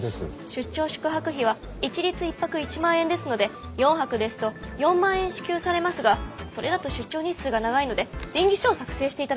出張宿泊費は一律１泊１万円ですので４泊ですと４万円支給されますがそれだと出張日数が長いので稟議書を作成して頂けますか？